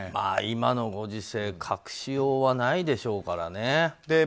今のご時世、隠しようはないでしょうからね。